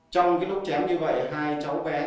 trong cái lúc chém như vậy hai cháu bé có la hét không